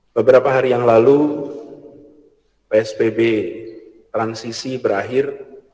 beberapa hari yang lalu psbb transisi berakhir